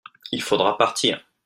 il faudra partir.